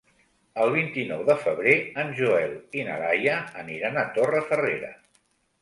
El vint-i-nou de febrer en Joel i na Laia aniran a Torrefarrera.